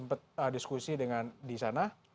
ada diskusi di sana